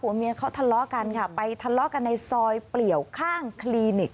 เมียเขาทะเลาะกันค่ะไปทะเลาะกันในซอยเปลี่ยวข้างคลินิก